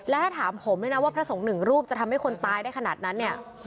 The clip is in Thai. และถ้าถามผมด้วยนะว่าพระสงฆ์หนึ่งรูปจะทำให้คนตายได้ขนาดนั้นเนี่ย